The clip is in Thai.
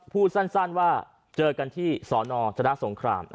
พูดสั้นสั้นว่าเจอกันที่สอนจณสงคราม